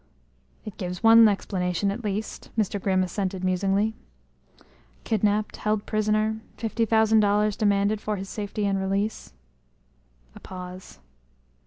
"It gives one explanation, at least," Mr. Grimm assented musingly. "Kidnapped held prisoner fifty thousand dollars demanded for his safety and release." A pause.